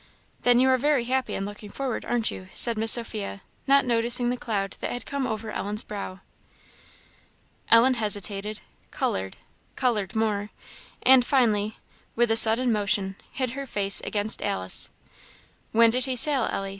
"Then you are very happy in looking forward, aren't you?" said Miss Sophia, not noticing the cloud that had come over Ellen's brow. Ellen hesitated coloured coloured more and finally, with a sudden motion, hid her face against Alice. "When did he sail, Ellie?"